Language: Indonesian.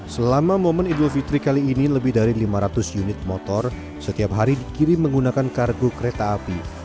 selama momen idul fitri kali ini lebih dari lima ratus unit motor setiap hari dikirim menggunakan kargo kereta api